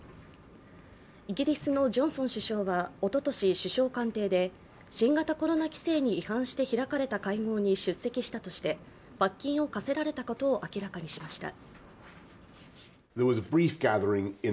イギリスのジョンソン首相はおととし首相官邸で新型コロナ規制に違反して開かれた会合に出席したとして罰金を科せられたことを明らかにしました。